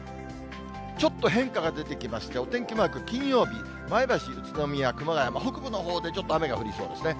ちょっと変化が出てきまして、お天気マーク、金曜日、前橋、宇都宮、熊谷、北部のほうでちょっと雨が降りそうですね。